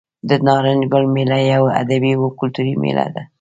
د نارنج ګل میله یوه ادبي او کلتوري میله ده.